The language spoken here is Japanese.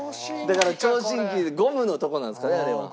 だから聴診器のゴムのとこなんですかねあれは。